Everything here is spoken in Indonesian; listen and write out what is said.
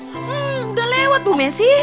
hmm udah lewat bu messi